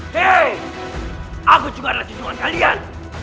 hei aku juga adalah tujuan kalian